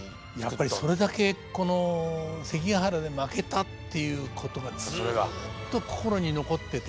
やっぱりそれだけこの関ヶ原で負けたっていうことがずっと心に残ってて。